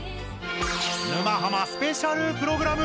沼ハマスペシャルプログラム！